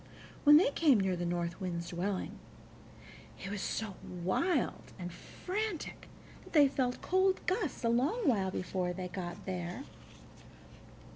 When they came near the North Wind's dwelling, he was so wild and frantic that they felt cold gusts a long while before they got there.